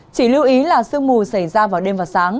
chỉ lưu ý là sương mù xảy ra vào đêm và sáng